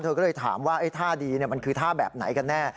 ก็เลยถามว่าท่าดีมันคือท่าแบบไหนกันแน่